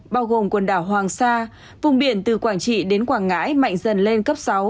bao gồm quần đảo hoàng sa vùng biển từ quảng trị đến quảng ngãi mạnh dần lên cấp sáu